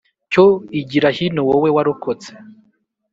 Cyo igira hino wowe warokotse